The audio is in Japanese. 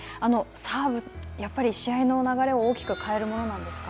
サーブ、やっぱり試合の流れを大きく変えるものなんですか。